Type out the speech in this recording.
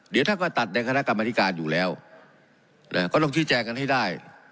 เดี๋ยวท่านก็ตัดในคณะกรรมธิการอยู่แล้วก็ต้องชี้แจงกันให้ได้